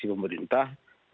dari si pemerintah